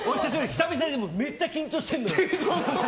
久々でめっちゃ緊張してます。